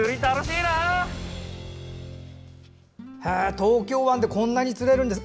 東京湾でこんなに釣れるんですね。